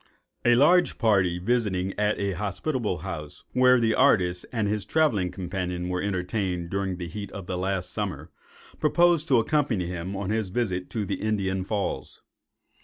A large party visiting at a hospitable house, where the artist and his travelling companion were entertained during the heat of the last summer, proposed to accompany him on his visit to the Indian Falls.